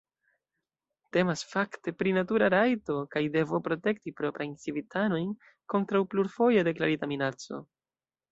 Temas, fakte, pri natura rajto kaj devo protekti proprajn civitanojn kontraŭ plurfoje deklarita minaco.